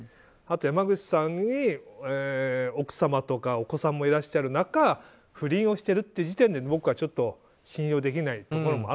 あと山口さんに奥様とかお子さんもいらっしゃる中不倫をしている時点で僕はちょっと信用できない点が。